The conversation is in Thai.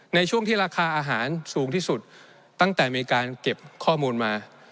ในช่วงที่ราคาอาหารสูงที่สุดตั้งแต่มีการเก็บข้อมูลมา